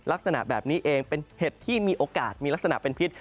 ลักษณะแบบนี้เองเป็นเห็ดที่มีโอกาสมีลักษณะเป็นพิษ